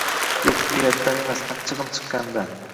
Yo`q, uyatdan emas, achchig`im chiqqanidan